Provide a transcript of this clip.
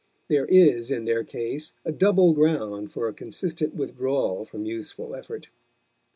There is in their case a double ground for a consistent withdrawal from useful effort.